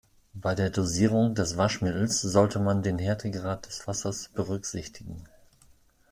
Bei der Dosierung des Waschmittels sollte man den Härtegrad des Wassers berücksichtigen.